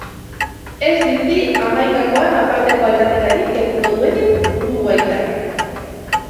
Ez dirudi hamaikakoan aparteko aldaketarik egingo duenik uruguaitarrak.